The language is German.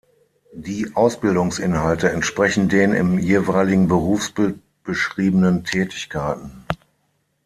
Die Ausbildungsinhalte entsprechen den im jeweiligen Berufsbild beschriebenen Tätigkeiten.